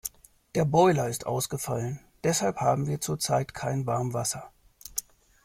Der Boiler ist ausgefallen, deshalb haben wir zurzeit kein Warmwasser.